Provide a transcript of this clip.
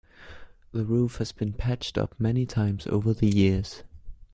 The roof has been patched up many times over the years.